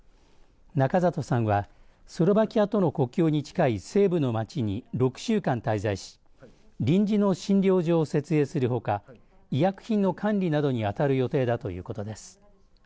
仲里さんはスロバキアとの国境に近い西部のまちに６週間滞在し臨時の診療所を設営するほか医薬品の管理などに当たる予定だということです。